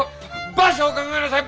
場所を考えなさい！